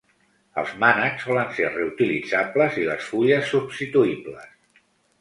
Els mànecs solen ser reutilitzables i les fulles substituïbles.